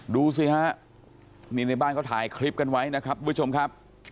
ดูสิฮะนี่ในบ้านเขาถ่ายคลิปกันไว้นะครับทุกผู้ชมครับ